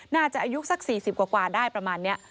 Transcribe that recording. อายุสัก๔๐กว่าได้ประมาณนี้